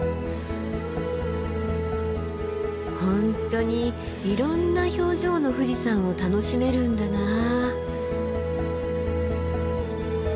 本当にいろんな表情の富士山を楽しめるんだなあ。